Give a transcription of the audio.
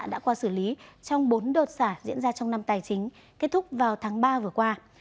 đã qua xử lý trong bốn đợt xả diễn ra trong năm tài chính kết thúc vào tháng ba vừa qua